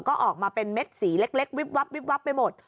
ก็ออกมาเป็นเม็ดสีเล็กวิบวับวิบวับไปหมด